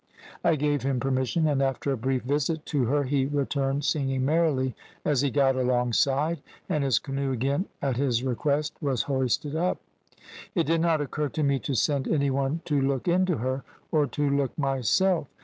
I gave him permission, and after a brief visit to her he returned singing merrily as he got alongside, and his canoe again at his request was hoisted up. It did not occur to me to send any one to look into her, or to look myself.